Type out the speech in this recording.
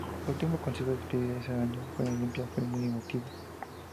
Su último concierto de despedida ese año en el Olympia fue muy emotivo.